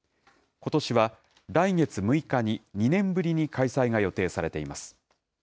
ことしは来月６日に２年ぶりに開催が予定されています。